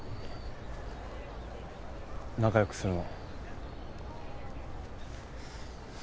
仲良くするの。